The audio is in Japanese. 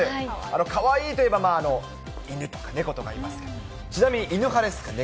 かわいいといえば、犬とか猫とかいますが、ちなみに犬派ですか？